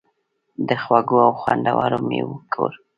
د خوږو او خوندورو میوو کور.